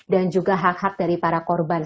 dan juga hak hak dari para korban